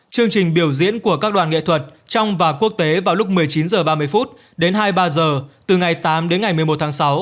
chương trình biểu diễn của các đoàn nghệ thuật trong và quốc tế vào lúc một mươi chín h ba mươi đến hai mươi ba h từ ngày tám đến ngày một mươi một tháng sáu